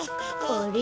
あれ？